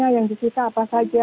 yang disita apa saja